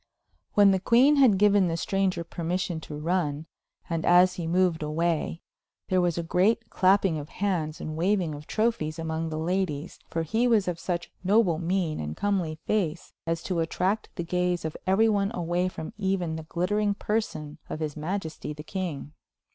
When the queen had given the stranger permission to run, and as he moved away, there was a great clapping of hands and waving of trophies among the ladies, for he was of such noble mien and comely face as to attract the gaze of every one away from even the glittering person of his majesty the king.